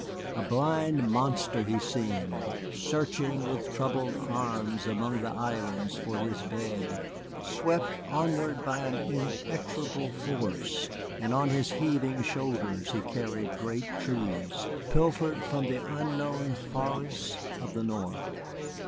A blind monster he seemed, searching with troubled arms among the islands for his bed, swept onward by an inexorable force, and on his heaving shoulders he carried great trees pilfered from the unknown forests of the North.